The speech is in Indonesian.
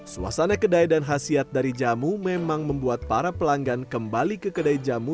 suasana kedai dan khasiat dari jamu memang membuat para pelanggan kembali ke kedai jamu